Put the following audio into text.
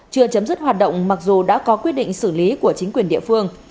chưa chấm dứt hoạt động mặc dù đã có quyết định xử lý của chính quyền địa phương